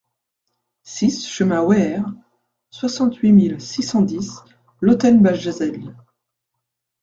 six chemin Weiher, soixante-huit mille six cent dix Lautenbachzell